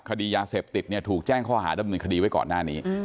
คดียาเสพติดเนี่ยถูกแจ้งข้อหาดำเนินคดีไว้ก่อนหน้านี้